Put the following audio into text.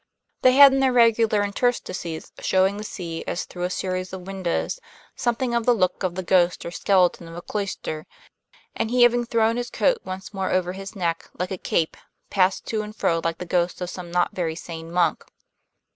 They had in their regular interstices, showing the sea as through a series of windows, something of the look of the ghost or skeleton of a cloister, and he, having thrown his coat once more over his neck, like a cape, passed to and fro like the ghost of some not very sane monk.